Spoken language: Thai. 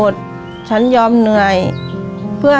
ถูก